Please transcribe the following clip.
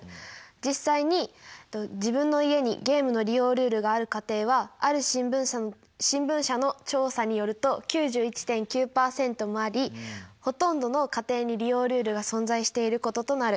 実際に自分の家にゲームの利用ルールがある家庭はある新聞社の調査によると９１．９％もありほとんどの家庭に利用ルールが存在していることとなる。